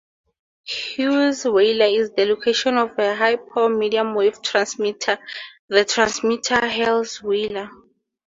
Heusweiler is the location of a high power medium wave transmitter, the transmitter Heusweiler.